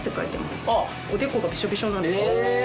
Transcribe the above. おでこがビショビショなんです。え！